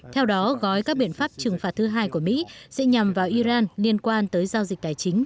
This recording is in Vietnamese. theo đó gói các biện pháp trừng phạt thứ hai của mỹ sẽ nhằm vào iran liên quan tới giao dịch tài chính